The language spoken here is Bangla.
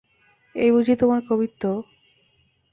এই বুঝি তোমার কবিত্ব!